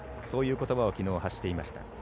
そういう言葉を昨日、発していました。